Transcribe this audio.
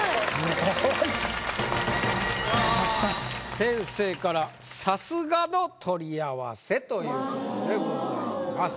先生から「さすがの取り合わせ！」ということでございます。